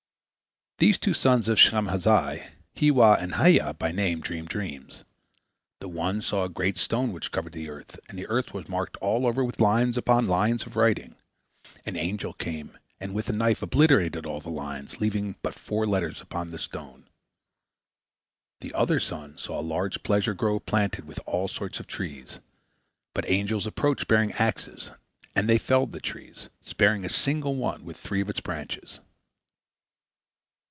These two sons of Shemhazai, Hiwwa and Hiyya by name, dreamed dreams. The one saw a great stone which covered the earth, and the earth was marked all over with lines upon lines of writing. An angel came, and with a knife obliterated all the lines, leaving but four letters upon the stone. The other son saw a large pleasure grove planted with all sorts of trees. But angels approached bearing axes, and they felled the trees, sparing a single one with three of its branches.